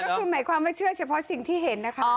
ก็คือหมายความว่าเชื่อเฉพาะสิ่งที่เห็นนะคะ